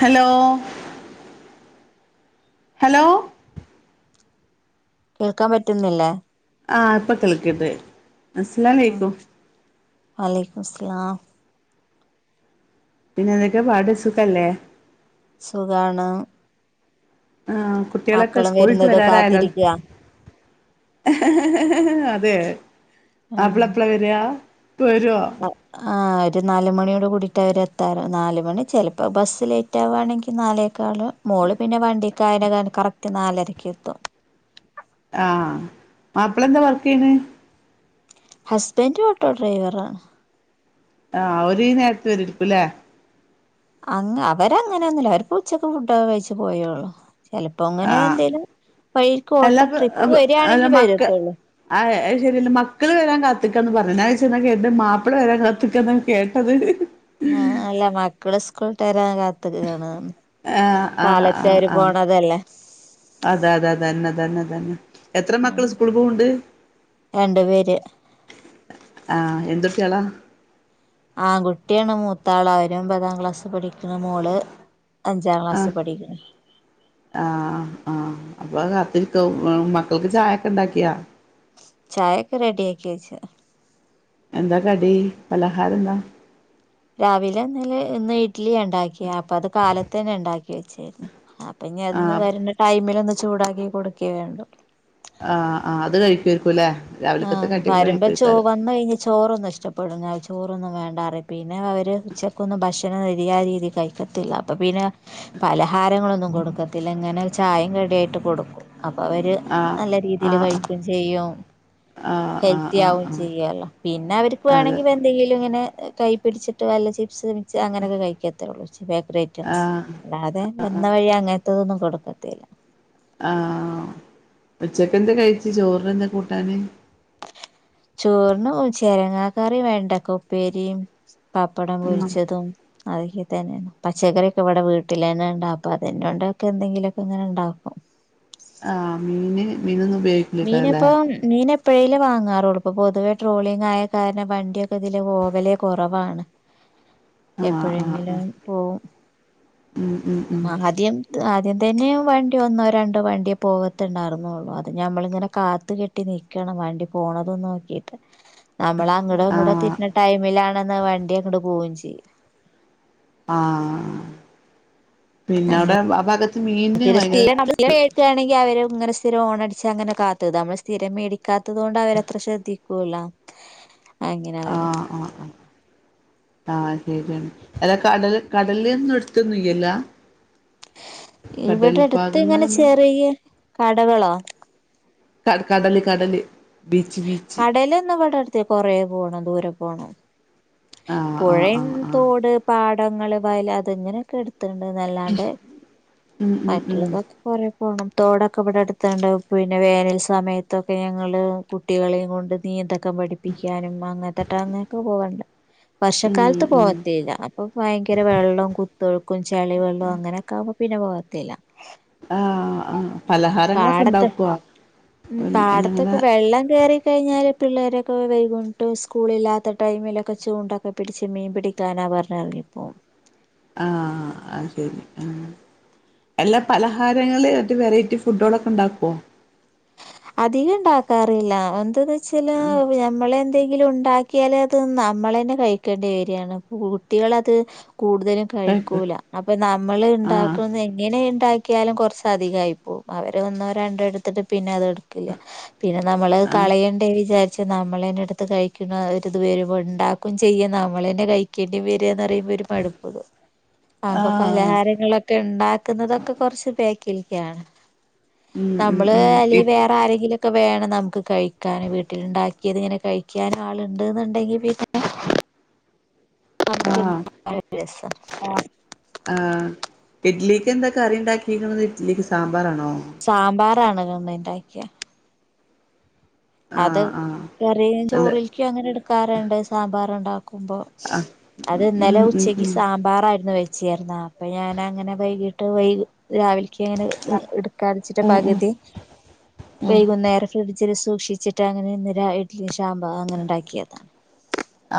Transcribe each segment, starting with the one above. Hello hello കേൾക്കാൻ പറ്റുന്നില്ലേ ആ ഇപ്പൊ കേൾക്ക്ണ്ട് അസലാമു അലൈക്കും വ അലൈക്കുമുസ്സലാം പിന്നെ എന്തൊക്കെ പാട് സുഖല്ലേ സുഖാണ് ആ കുട്ടികളൊക്കെ മക്കളും സ്കൂൾ വിട്ട് വരുന്നത് വരാറായാലോ കാത്തിരിക്ക അതെ മാപ്പിള എപ്പോളാ വരാ ആ ആ ഒരു നാല് മണിയോട് കൂടിട്ട അവര് എത്താറ് നാല് മണി ചിലപ്പോ ബസ്സ് ലേറ്റ് ആവാണെങ്കി നാലേക്കാലോ മോള് പിന്നെ വണ്ടിക്കാങ്ങാണ്ട് കറക്റ്റ് നാലരക്ക് എത്തും ആ മാപ്പള എന്താ വർക്ക് ചെയ്യ്ണെ ഹസ്ബൻ്റ് ഓട്ടോ ഡ്രൈവറാണ് ആ അവര് ഈ നേരത്ത് വരേക്കുംല്ലേ അങ്ങ് അവര് അങ്ങനെയൊന്നുല്ല അവര് ഉച്ചക്ക് ഫുഡൊക്കെ കഴിച്ചു പോയോള്ളു ചിലപ്പോ ആ അങ്ങനെ എന്തേങ്കലും വഴിക്ക് ഓട്ടം അല്ലപ്പ ട്രിപ്പ് വരിയാണെങ്കിൽ വരത്തോള്ളൂ ശരിയ [unintelligible] ല്ല മക്കള് വരാൻ കാത്തിക്കാന്ന് പറകേട്ടത്ഞ്ഞിലെ മാപ്പിള വരാൻ കാത്തിക്കന്ന കേട്ടത് ആ അല്ല മക്കൾ സ്കൂൾ ആ ആ ആ കാലത്തെ അവര് ആ പോണതല്ലേ അതെ അതെതന്നെതന്നെ തന്നെ എത്ര ഉം മക്കൾ സ്കൂൾ പോവ്ണ്ട് രണ്ടു പേര് ആഹ് എന്ത് ട്ട്യാള ആൺകുട്ടിയാണ് മൂത്താള് അവരുഒമ്പതാം ക്ലാസ് പഠിക്ക്ണ് മോള് അഞ്ചാം ക്ലാസ്സ് ആഹ് പഠിക്ക്ണ് ആഹ് ആഹ് അപ്പൊ മക്കൾക്ക് ചായൊക്കെ ഇണ്ടാക്കിയാ ചായ ഒക്കെ റെഡി ആക്കി വച്ച്ണ് എന്ത കടി പലഹാരം ന്ത രാവിലെന്ന് ഇഡ്ലി ഉണ്ടാക്കിയ അപ്പൊ അത് കാലത്ത് തന്നെ ഉണ്ടാക്കി വെച്ച് പിന്നെ അതൊന്ന് ആഹ് വരുന്ന ടൈമില് ഒ ചൂടാക്കി കൊടുക്കേ വേണ്ടു ആഹ് ആ അത് കഴിക്കയിരിക്കും ലെ ആ വരുമ്പ ചോ വന്ന്‌ കഴിഞാ ചോറൊന്നും ഇഷ്ടപ്പെടു [unintelligible] ചോ റൊന്നും വേണ്ടാറിം പിന്നെ അവര് ഉച്ചക്കൊന്നും ഭക്ഷണം ശരിയായ രീതി കഴിക്കത്തില്ല. അപ്പ പിന്നെ പലഹാരങ്ങളൊന്നും കൊടുക്കത്തില്ല ഇങ്ങനെ ചായയും കടിയായിട്ട് കൊടുക്കും. അപ്പൊ അവര് ആഹ് നല്ല രീതീല് ആഹ് കഴിക്കും ചെയ്യും. ആഹ് ആഹ് ആഹ് ഹെൽത്തിയാവും ആഹ് ചെയ്യാലോ പിന്നെ അവര്ക്ക് ആഹ് അതെ വേണങ്കി പ്പ എന്തെങ്കിലും ഇങ്ങനെ കയ്യ് പിടിച്ചിട്ട് വല്ല ചി പ്സ് മിച് അങ്ങനെയൊക്കെ കഴിക്ക ത്തേയുള്ളൂ ചി ബേക്കറി ഐറ്റംസ് ആഹ് അല്ലാതെ വന്ന വഴി അങ്ങ ത്തൊതൊന്നും കൊടുക്കത്തേല ആ ഇപ്പച്ചക്ക് എന്തേ കഴിച്ച് ചോറിന് എന്തേ കൂട്ടാന്? ചോറിനു ചെരങ്ങാ കറിം വെണ്ടക്ക ഉപ്പേരിം. പപ്പടം ഉം പൊരിച്ചതും. അതൊക്കെ തന്നേണ് പച്ചക്കറിയോക്കെ ഇവിടെ വീട്ടിലെന്നെണ്ടാപ്പ അതെന്നോണ്ടൊക്കെ എന്തെങ്കിലൊക്കെ ഇങ്ങനെ ഇണ്ടാക്കും. ആഹ് മീന് മീനൊന്നും മീനെപ്പ ഉപയോഗിക്കില്ലേക്കാരല്ലേ മീന എപ്പോയെങ്കിലും വാങ്ങാറുള്ളൂ ഇപ്പൊ പൊതുവേ ട്രോളിങ് ആയ കാരണം വണ്ടിയൊക്കെ ഇതില് പോകലെ കുറവാണ്. ആഹ് ആഹ് ആഹ് എപ്പോഴെങ്കിലും പോവും. ഉം ഉം ഉം ആ ആദ്യം ആദ്യം അതന്നെ വണ്ടി ഒന്നോ രണ്ടോ വണ്ടിയേ പോകത്തുണ്ടായിരുന്നുള്ളു അ ത് ഞമ്മളിങ്ങനെ കാത്ത് കെട്ടി നിക്കണം വേണ്ടി പോണതും നോക്കിട്ട്. നമ്മൾ അങ്ങോട ഇങ്ങോടോ ആഹ് തിരിഞ്ഞ ടൈമിലാണെന്ന വണ്ടി അങ്ങോട്ട് പോവും ചെ [unintelligible] ആ പിന്നെ അവിടെ ആ ഭഗ [unintelligible] കേൾക്കുകയാണെങ്കിൽ അവരും ഇങ്ങനെ സ്ഥിരം ഓണടിച്ച അങ്ങനെ കാത്തത്, നമ്മൾ സ്ഥിരം മേടിക്കാത്തത് കൊണ്ട് അവരത്ര ശ്രദ്ധിക്കൂല്ല. ആ ആ ആ അ ശരിയാണ് അല്ലാ കടൽ കടലന്നും [unintelligible] ഇവിടെ അടുത്ത് എങ്ങനെ ചെറിയ കടകളോ ക കടൽ കടൽ കടലൊന്നും ഇവിടെ അടുത്ത് കൊറെ പോണം ദൂരം പോണം ആഹ് ആഹ് ആഹ് പുഴയ് ആഹ് തോട് പാട ടങ്ങളൾ വയൽ അതെങ്ങനൊക്കെ എടു തുണ്ട് നല്ലാണ്ട് ഉം ഉം ഉം മറ്റുള്ളതൊക്കെ കൊറെ പോണം തോടൊക്കെ ഇവിടെടുത്തണ്ട് പിന്നെ വേനൽ സമയത്തൊക്കെ ഞങ്ങള്ൾ കുട്ടികളെയും കൊണ്ട് നീന്ത ഓക്കെ പഠിപ്പിക്കാനും മാങ്ങാത്തോട്ടനേക്ക് പോവൂമ്പോ ഉം വർഷക്കാലത്ത് ഉം പോവത്തെല്ല അപ്പൊ ഭയങ്കര വെള്ളം കുത്തൊഴുക്കും ചെളി വെള്ളവും അങ്ങനെയൊക്കെ ആവുമ്പോ പിന്നെ പോകത്തെല്ല ആ ആ പാടത്തെ ഉം അങ്ങനെ പാടത്തൊക്കെ വെള്ളം കേറി കഴിഞ്ഞാല് പിള്ളേരൊക്കെ വൈകുണ്ട് സ്കൂളില്ലാത്ത ടൈമിലൊക്കെ ചൂണ്ടൊക്കെ പിടിച്ച് മീൻ പിടിക്കാനാ പറഞ്ഞറങ്ങിപ്പോ ആ അ അത് ശരി ആ എല്ലാ പലഹാരങ്ങള് മറ്റ് വെറൈറ്റി ഫുഡുകളൊക്കെ ഉണ്ടാക്കുവോ അധികം ഉണ്ടാക്കാറില്ല എന്തന്ന് വെച്ച ചില ഞമ്മളെ എന്തെങ്കിലും ഉണ്ടാക്കിയാല അത് നമ്മള തന്നെ കഴിക്കേണ്ടി വരികയാണ് കുട്ടികളത് കൂടുതലും കഴിക്കൂല അപ്പൊ നമ്മൾ ആഹ് ഉണ്ടാക്കുന്നത് എങ്ങനെ പാക്കിയാലും കുറച്ചധികയി പോകും അവർ ഒന്നോ രണ്ടോ എടുത്തിട്ട് പിന്നെ അത് എടു പിന്നെ നമ്മള് ആഹ് കളയണ്ടെ വിചാ പക്ഷെ നമ്മളൻനെ എടുത്ത് കഴിക്കുന്ന ഒരിത് വരു ഉണ്ടാക്കും ചെയ്യാം നമ്മള തന്നെ കഴിക്കേണ്ടി വരികന്ന് പറയും ഒരു മാടുപ്പ് വരും അപ്പൊ ആഹ് പലഹാരങ്ങളൊക്കെ ഉണ്ടാക്കുന്നതൊക്കെ കുറച്ച് പയ് കിൽക്കാണ് ഉം ഉം നമ്മള് ഉം ഇപ് അതില ആരെങ്കിലൊക്കെ വേണം നമുക്ക് കഴിക്കാനും വീട്ടിൽുണ്ടാക്കിയത് ഇങ്ങനെ കഴിക്കാനും ആളുണ്ട്ന്നുണ്ടെങ്കി പിന്നെ അ പിന്നെ അതാണ് രസം ആ ആ ഇഡ്ലിക്ക് എന്താ കറി ഉണ്ടാക്കിയെക്കുനെത് ഇഡ്ലിക്ക് സാമ്പാർ വരണോ ആണോ ഇന്നുണ്ടാക്കിയെ അത് ആഹ് ആഹ് കറിയും അല്ല ചോറിക്കും അങ്ങനെ എടുക്കാറുണ്ട് സാമ്പാർ ഉണ്ട കുംപോ ആഹ് അത് ഇന്നലെ ഉം ഉം ഉച്ചക്ക് ഉം സാമ്പാറായിരുന്നു ച്ചേർന്നാ അപ്പ ഞാനങ്ങനെ വൈകീട്ട് വൈ രാവിലെ കഴികാന്ന് ഉം എടുക്കാതിച്ചിട്ട് ഉം ഉം പകുതി ഉം വൈകുന്നേരം ഫ്രിഡ്ജിൽ മുഷി ച്ചിട്ട് അങ്ങനെ ഇന്ന് രാ ഇഡ്ലി ഷാമ്പങ്ങനെ ഉണ്ടാക്കിയതാ ചെ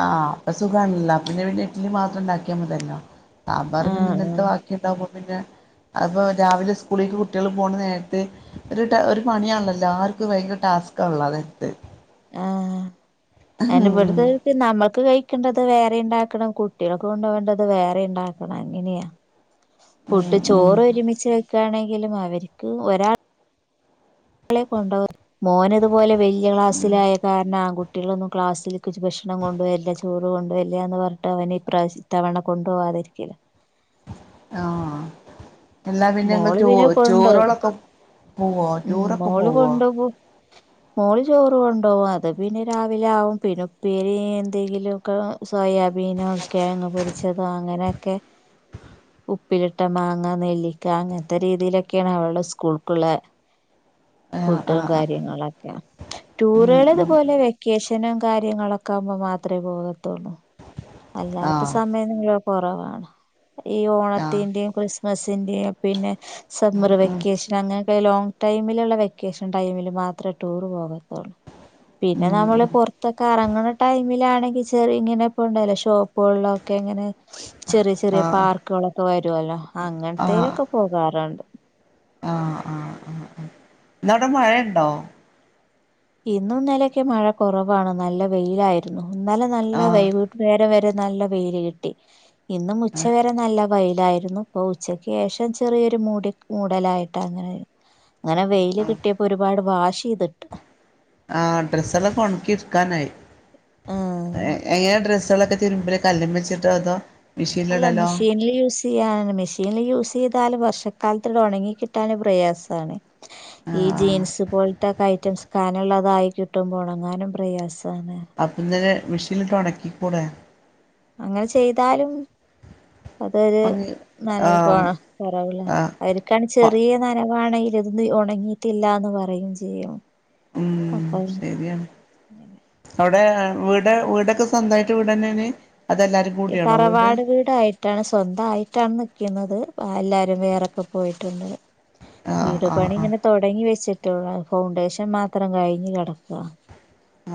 ആ അപ്പ സുഖാണല്ല പിന്നെ പിന്നെ ഇഡ്ലി മാത്രം ഉണ്ടാക്കിയാ മത്യല്ലോ സാമ്പാർ ആഹ് പിന്നിന്നലത്തെ ആഹ് ബാക്കിണ്ടവൂ പിന്നെ അപ്പോ രാവിലെ സ്കൂളിക്ക് കുട്ടികൾ പോണ നേരത്തെ ഒര് ട ഒരു പണിയാണല്ലോ ല്ലാർക്കും ഭയങ്കര ടാസ്കാന്നല്ലോ ആ നേരത്ത് ആ എന്റെ ഇവിടുത് ഉം നമ്മുക്ക് കഴി ണ്ടത് വേറെ ണ്ടാക്കണം കുട്ടികൾക്ക് കൊണ്ടോവേണ്ടത് വേറെ ണ്ടാക്കണം അങ്ങനെയാ ഉം ഫുഡ് ഉം ചോറൊരുമിച ണെങ്കിലും അവര്ക്ക് ഒരാ ളെ കൊണ്ടോ മോനിതുപോലെ വെല്യ ക്ലാസ്സിലായ കാരണം ആൺകുട്ടികളൊന്നും ക്ലാസ്സിലെക്ക് ഭക്ഷണം കൊണ്ടുവരില്ല്യ ചോറ് കൊണ്ടുവല്യന്ന് പറഞ്ഞിട്ട് അവനിപ്രാവശ്യ ഇത്തവണ കൊണ്ടുപവാതിരിക്കണ് ആഹ് എന്നാ പിന്നെങ്ങ് ചോ കൊണ്ടോവും ചോറൊള് [unintelligible] ഉം മോള് കൊണ്ട പോവും മോള് ചോറ് കൊണ്ടോവു അത് പിന്നെ രാവിലെ ആവും പിന്നെ ഉപ്പേരി ന്തെങ്കിലുംക്കെ സോയാബീനോ കെഴങ്ങ് പൊരിച്ചതോ അങ്ങനെക്കെ ഉപ്പിലിട്ട മാങ്ങ നെല്ലിക്ക അങ്ങനത്തെ രീതിയിലെക്കെയാണ് അവള് സ്കൂൾക്കുള്ള ആഹ് ഫുഡും ആഹ് ആഹ് കാര്യങ്ങളക്കെ ഉം ടൂറുകൾ ഉം ഇതുപോലെ വെക്കേഷനും കാര്യങ്ങളൊക്കാവ്മ്പൊ മാ അത്രെപോകത്തുള്ളൂ അല്ലാത്ത ആഹ് സമയം [unintelligible] കൊറവാണ് ഈ ആഹ് ഓണത്തിന്റെം ക്രിസ്മസിന്റെം പിന്നെ സമ്മർ ഉം വെക്കേഷൻ അങ്ങനെയൊക്കെ ലോങ്ങ്‌ ടൈമിലുള്ള വെക്കേഷൻ ടൈമില് മാത്രെ ടൂർ പോകത്തോള് പിന്നെ നമ്മള് ഉം പൊറത്തക്കെ എറങ്ങണ ടൈമിലാണെങ്കി ചെറ ഇങ്ങനെ ഇപ്പണ്ടല്ലോ ഷോപ്പുകളിലൊക്കെ ഇങ്ങനെ ചെറിയ ചെറിയ ആഹ് പാർക്കുകളൊക്കെ വരുവല്ലോ ആഹ് അങ്ങനത്തേലൊക്കെ പോകാറുണ്ട് ആഹ് ആഹ് ആഹ് ഇന്നവിടെ മഴയണ്ടോ ഇന്നുന്നലെക്കെ മഴ കൊറവാണ് നല്ല വെയിലായിരുന്നു ഇന്നല നല്ല ആഹ് വൈകുന്നേരവരെ നല്ല വെയില് കിട്ടി ഇന്നും ഉച്ച വരെ നല്ല വയ്ലായിരുന്നു ഇപ്പൊ ഉച്ചക്ക് ശേഷം ചെറിയൊരു മൂടി മൂടലായിട്ടാങ്ങനെ അങ്ങനെ വെയ്ല് കിട്ടിയപ്പോ ഒരുപാട് വാഷ് ചെയ്തിട്ടു ആ ഡ്രസ്സല്ലാക്കെ ഒണക്കിടുക്കാനായി ആഹ് എങ്ങനെ ഡ്രസ്സുകളൊക്കെ തിരുമ്പല് കല്ലുമ്മെച്ചിട്ടോ അതോ അല്ല മെഷീനിലിടലോ മെഷീൻല് യൂസിയാന് മെഷീൻ യൂസ് യ്താലും വർഷക്കാലത്ത്ന്ടെ ഒണങ്ങി കിട്ടാന് പ്രയാസാണ് ഈ ആഹ് ആഹ് ജീൻസ് പോലത്തെക്കെ ഐറ്റംസ് കനള്ളതായികിട്ടുമ്പോൾ ഒണങ്ങാനും പ്രയാസ് [unintelligible] മെഷീന്ല്ട്ട് ഒണക്കിക്കൂടെ അങ്ങനെ ചെയ്താലും അതൊരു ഉണങ്ങി നനവ് പോണ ആഹ് കുറവില്ല ആഹ് അവർക്കാണ് ചെറിയ നന വാണെങ്കില് ഇത് ഉണങ്ങിയിട്ടില്ലാന്ന് പറയും ചെയ്യും ഉം അപ്പൊ ശരിയാണ് അ വിടെ വടെ വീടൊക്കെ സ്വന്തായിട്ട് വീടന്നെണ് തറവാട് വീട് ആയിട്ടാണ് സ്വന്തയിട്ട് ആണ് നി ക്കുന്നത് എല്ലാരും വേറൊക്കെ പോയിട്ടുണ്ട് ആഹ് വീട് ആഹ് പണി ഇങ്ങനെ തുടങ്ങി വെച്ചി ട്ടെള്ളൂ ഫൗണ്ടേഷൻ മാത്രം കഴിഞ്ഞ് കിടക്കാ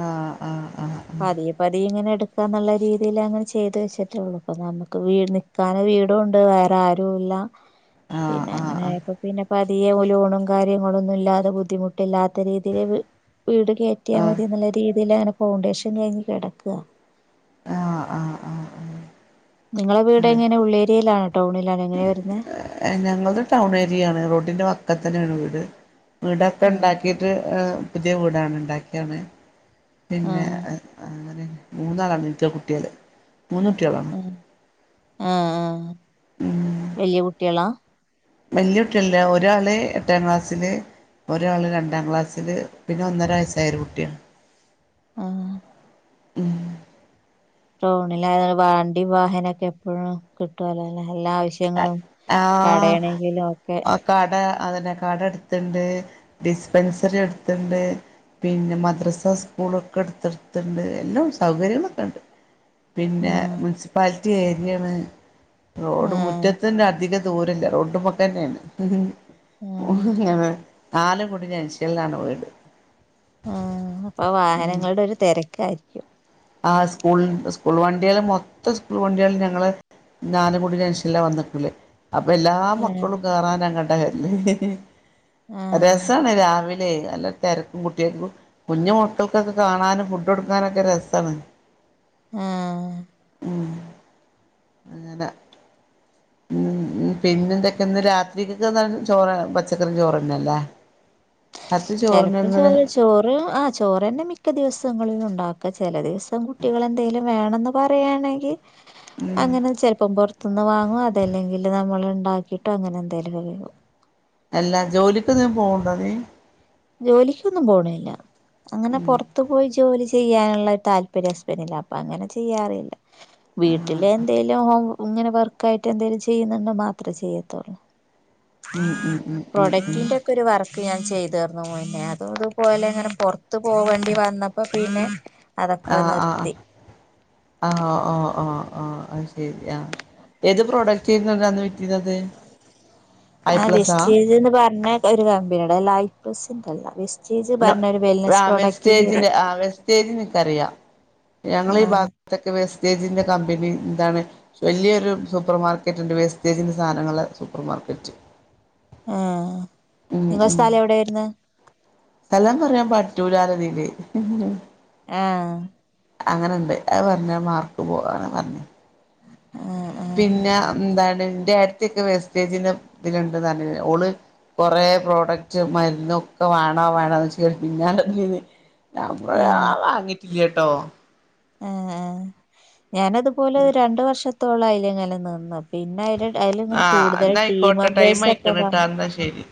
ആഹ് ആഹ് ആഹ് പതിയെ പതിയെഇങ്ങനെ എടു ക്ക എന്നുള്ള രീതിയിൽ അങ്ങനെ ചെയ്തു വെച്ചിട്ടേള്ളൂ ഇപ്പോ നമുക്ക് വീട് നിക്കാന് വീടുണ്ട് വേറെ ആരുല്ല ആഹ് പിന്നെ ആഹ് ആഹ് ആഹ് അങ്ങനെപ്പം പിന്നെ പ പതിയെ ലോണും കാര്യങ്ങളൊന്നു ഇല്ലാതെ ബുദ്ധിമുട്ടില്ലാത്ത രീതിയിൽ വീട് കയറ്റിയാ മതി എന്നുള്ള രീതിയിലാണ് ഫൗണ്ടേഷൻ കഴിഞ്ഞ് കിടക്ക ആ ഹ് ആഹ് ആഹ് നിങ്ങളെ വീട് എങ്ങനെ ഉള്ളേരിയേലാ ഞങ്ങൾ ത് ടൗൺ ഏരിയ ആണ് റോഡിന്റെ വക്കത്ത് തന്നെയാണ് വീട് വീടൊക്കെ ആഹ് ഇണ്ടാക്കിയിട്ട് ങ് പുതിയ വീടാണ് ഇണ്ടാക്കിയാണ് പിന്നെ ആഹ് അങ്ങനെ മൂന്നാളാണ് ഇന്റെ കുട്ട്യള് മൂന്ന് കുട്ടിയളോ ആഹ് ആഹ് ആഹ് വലിയ കുട്ടിയോളാ വല്യ കുട്ടിയല്ല ഒരാള് എട്ടാം ക്ലാസ്സില് ഒരാള് രണ്ടാം ക്ലാസ്സില് പിന്നെ ഒന്നര വയസ്സായരു കുട്ടിയാ ആഹ് ഉം ടൗണിലായത്‌ വണ്ടി വാഹന ഒക്കെ എപ്പോഴും കിട്ടുല്ലോ ല്ലേ എല്ലാ ആവശ്യങ്ങളും കടയാണങ്കിലും ഒക്കെ ആ കട അതന്നെ കട അടുത്ത്ണ്ട് ഡിസ്പെൻസറി അടുത്ത്ണ്ട് പിന്നെ മദ്രസ സ്കൂളൊക്കെ അടുത്തടുത്തുണ്ട് എല്ലാം സൗകര്യങ്ങളൊക്കെ ഇണ്ട് പിന്നെ ആഹ് മുനിസിപ്പാലി റ്റി ഏരിയേണ് റോഡു മു ആഹ് റ്റത്തിന്റെ അധികം ദൂരില്ല [unintelligible] തന്നേണ്. ആഹ് അതെ നാലും കൂടിയ ജംഗ്‌ഷനിലാണ് വീട് ആഹ് അപ്പൊ വാഹനങ്ങളുടെ ഒരു തിരക്കായിരി ക്കും ആഹ് സ്കൂളിന്റെ സ്കൂൾ വണ്ടികള് മൊത്തം സ്കൂൾ വണ്ടികളും ഞങ്ങളെ നാലും കൂടിയ ജംഗ്‌ഷനിലാ വന്ന് നിക്കല്. അപ്പൊ എല്ലാ ആഹ് മക്കളും കേറാനങ്ങ [unintelligible] ആഹ് രസാണ് രാവിലേയ നല്ല തെരക്കും കുട്ടികക്കും കുഞ്ഞു മക്കൾക്കൊക്കെ കാണാനും ഫുഡ് കൊടുക്കാനൊക്കെ രസ് തന്നെ ആ ഉം അങ്ങനെ ഉ പിന്നെ എന്തൊക്കെ ഇന്ന് രാത്രി കക്ക് ചോറ് പച്ചക്കറിം ചോറ്ന്നെല്ലേ ചിലപ്പം ചോറ് ചോറ് ആ ചോറ് തന്നെ മിക്ക ദിവസങ്ങളിലുണ്ട് അ ഒക്കെ ചില ദിവസം കുട്ടികൾ എന്തെങ്കിലും വേണെന്ന് പറയുകയാണെങ്കിൽ ഉം അങ്ങനെ ചെലപ്പം പുറ പുറത്ത്ന്ന് വാങ്ങും അതല്ലെങ്കിൽ നമ്മൾ ഉണ്ടാക്കിട്ടോ അങ്ങനെ എന്തേലൊക്ക തിന്നും അല്ല ജോലിക്ക് എൻതിനെൻ പോവണ്ട നീ ജോലിക്കൊന്നും പോണില്ല അങ്ങനെ ഉം പുറത്തു പോയി ജോലി ചെയ്യാനുള്ള താല്പര്യം ഹസ്ബന്റിന് ഇല്ല അപ്പം അങ്ങനെ ചെയ്യാറില്ല വീട്ടിലെ എന്തെലും ഇങ്ങനെ വർക്കായിട്ട് എന്തേലും ചെയ്യുന്നുണ്ടോ മാത്രമേ ചെയ്യത്തോുള്ളൂ ഉം ഉം പ്രൊഡക്റ്റിന്റെ ഒക്കെ ഒരു വർത്ത ഒക്കെ ഞാൻ ചെയ്തു ന്നെ അതുംത്പോലെ ഇ [inaudible] ത്ത് പോവേണ്ടി വന്നപ്പോ പിന്നെ അതൊക്കെ ആഹ ആഹ നിർത്തി ആ ആഹ ആഹ ആഹ ആ അത് ശരി ആ ഏത് പ്രോഡക്റ്റ് ചെയ്യുന്നത ആ [unintelligible] പ്ലസാ പറഞ്ഞ ഒരു കമ്പിനിയുടെ ലൈഫ് അല്ല വസ്റ്റ് ആ വെസ്റ്റേജിന്റെ ആ വെസ്റ്റേജ അറിയാം ഞങ്ങ ഈ [unintelligible] ആഹ് ഭാഗത്തൊക്കെ വ തേജിന്റെ കമ്പനിന്താണ് വല്യയൊരു സൂപ്പർ മാർക്കറ്റ്ണ്ട് വെസ്റ്റേജിന്റെ സാധനങ്ങളെ സൂപ്പർ മാർക്കറ്റ് ആഹ ഉം ഉ സ്ഥലം പറയാൻ പാടി റ്റുലാര് തില് ആഹ ഞാ പർഞ് ആ മാർക്ക് പോവാണ്ന്ന് ആഹ് ആഹ് പിന്നെ ന്താണ് ഇന്റെ ഏട്ട്ത്തിക്കെ വേസ്റ്റേജിന്റെ ഇതില്ണ്ട്ന്ന് അർഞീനി ഓള് കൊറേ പ്രോഡക്റ്റ് മരുന്നൊക്കെ വാണോ വാ ണോന്ന്ച്ച് പിന്നെ നമ്മള് ആ വാങ്ങി ഇല്ലാട്ടോ ആ ഞാനതുപോലെ ഒരു രണ്ടു വർഷത്തി ത്തോളായി ഇങ്ങനെ നിന്ന് പിന്നെ ഒരു ആ എന്നാ ആയിക്കോട്ടെ ടൈം ഒക്കെ ആയിരിക്കണ് കേട്ടോ വന്ന് അന്നാ ശെരി